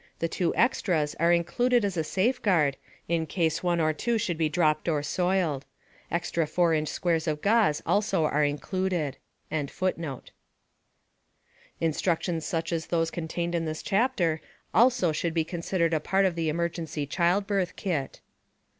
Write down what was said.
The two extras are included as a safeguard in case one or two should be dropped or soiled. Extra 4 inch squares of gauze also are included. [Illustration: Emergency childbirth kit] Instructions such as those contained in this chapter also should be considered a part of the emergency childbirth kit.